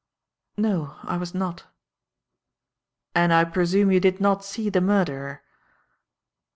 "No, I was not." "And I presume you did not see the murderer?"